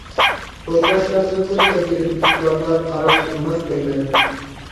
تورداشلاردىنمۇ تەجرىبىسى بارلار قاراپ تۇرماس دەيمەن.